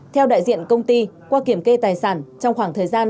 theo đại diện công ty qua kiểm kê tài sản trong khoảng thời gian